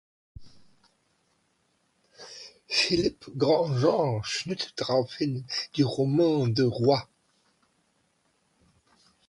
Philippe Grandjean schnitt daraufhin die Romain du Roi.